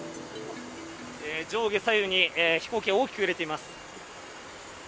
上下左右に飛行機が大きく揺れています。